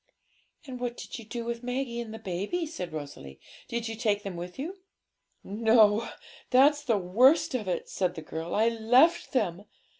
'And what did you do with Maggie and baby?' said Rosalie; 'did you take them with you?' 'No; that's the worst of it,' said the girl; 'I left them.